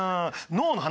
脳の話。